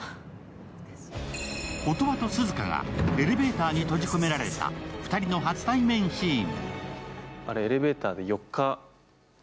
音羽と涼香がエレベーターに閉じ込められた２人の初対面シーン。